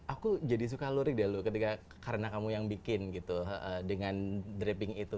aku jadi suka lurik deh lho karena kamu yang bikin gitu dengan draping itu